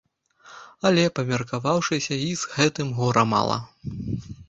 Але, памеркаваўшыся, й з гэтым гора мала.